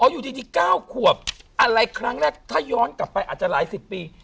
อยู่ดี๙ขวบอะไรครั้งแรกถ้าย้อนกลับไปอาจจะหลายสิบปี